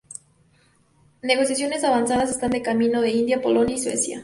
Negociaciones avanzadas están de camino en India, Polonia y Suecia.